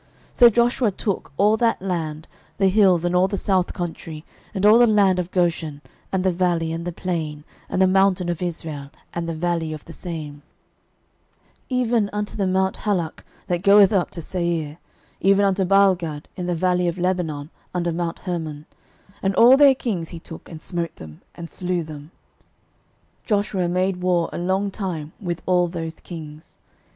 06:011:016 So Joshua took all that land, the hills, and all the south country, and all the land of Goshen, and the valley, and the plain, and the mountain of Israel, and the valley of the same; 06:011:017 Even from the mount Halak, that goeth up to Seir, even unto Baalgad in the valley of Lebanon under mount Hermon: and all their kings he took, and smote them, and slew them. 06:011:018 Joshua made war a long time with all those kings.